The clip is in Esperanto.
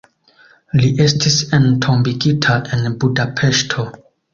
Li estis entombigita en Budapeŝto.